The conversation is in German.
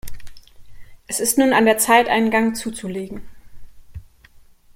Es ist nun an der Zeit, einen Gang zuzulegen.